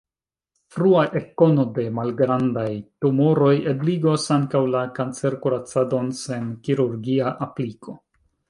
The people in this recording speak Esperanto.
Frua ekkono de malgrandaj tumoroj ebligos ankaŭ la kancerkuracadon sen kirurgia apliko.